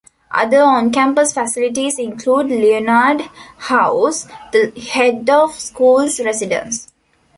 Other on-campus facilities include Leonard House, the Head of School's residence.